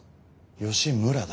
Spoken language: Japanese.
吉村だ。